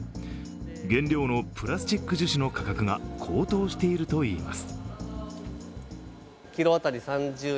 原料のプラスチック樹脂の価格が高騰しているといいます。